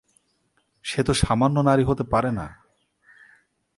সে তো সামান্য নারী হতে পারে না।